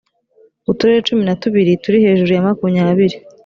uturere cumi na tubiri turi hejuru ya makumyabiri